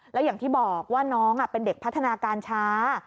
แล้วอย่างที่บอกว่าน้องเป็นเด็กพัฒนาการช้า